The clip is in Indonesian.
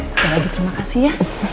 sekali lagi terima kasih ya